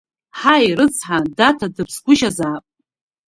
Ҳаи, рыцҳа, Даҭа дыԥсгәышьазаап!